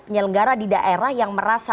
penyelenggara di daerah yang merasa